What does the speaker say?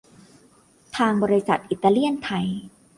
ทางบริษัทอิตาเลียนไทย